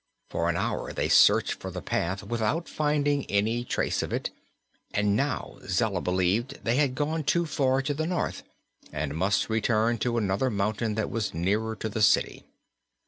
For an hour they searched for the path without finding any trace of it and now Zella believed they had gone too far to the north and must return to another mountain that was nearer to the city.